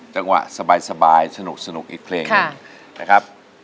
จังหวะสบายสนุกอีกเพลงนี้